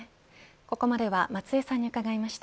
ここまでは松井さんに伺いました。